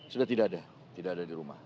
sudah tidak ada tidak ada di rumah